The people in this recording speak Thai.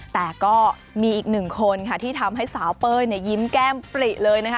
แต่ก็มีอีกหนึ่งคนค่ะที่ทำให้สาวเป้ยยิ้มแก้มปริเลยนะคะ